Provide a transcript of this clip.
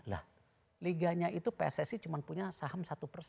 lah liganya itu pssi cuma punya saham satu persen